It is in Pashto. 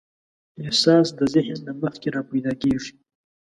احساس د ذهن نه مخکې راپیدا کېږي.